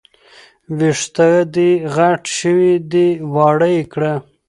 وېښته دې غټ شوي دي، واړه يې کړه